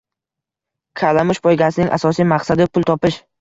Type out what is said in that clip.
Kalamush poygasining asosiy maqsadi pul topish